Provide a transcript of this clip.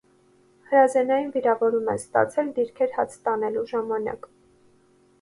Հրազենային վիրավորում է ստացել դիրքեր հաց տանելու ժամանակ։